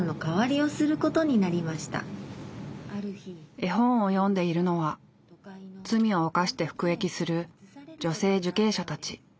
絵本を読んでいるのは罪を犯して服役する女性受刑者たち。